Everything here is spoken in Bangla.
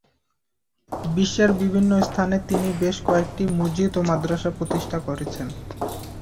বিশ্বের বিভিন্ন স্থানে তিনি বেশ কয়েকটি মসজিদ ও মাদ্রাসা প্রতিষ্ঠা করেছেন।